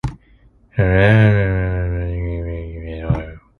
Saline or colloids may be administered to increase the circulating volume.